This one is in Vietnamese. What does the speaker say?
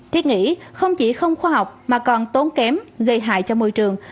thiết nghĩ không chỉ không khoa học mà còn tốn kém gây hại cho môi trường